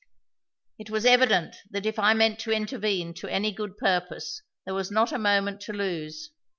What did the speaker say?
It was evident that if I meant to intervene to any good purpose there was not a moment to lose.